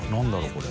これ。